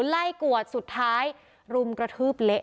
ไล่กวดสุดท้ายรุมกระทืบเละเลยค่ะ